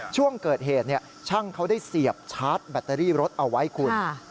ช่วงเกิดเหตุช่างเขาได้เสียบชาร์จแบตเตอรี่รถเอาไว้คุณ